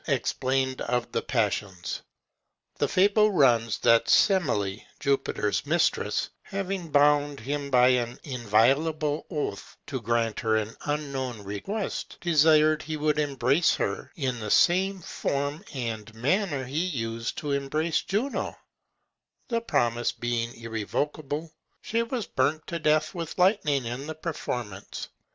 EXPLAINED OF THE PASSIONS. The fable runs, that Semele, Jupiter's mistress, having bound him by an inviolable oath to grant her an unknown request, desired he would embrace her in the same form and manner he used to embrace Juno; and the promise being irrevocable, she was burnt to death with lightning in the performance.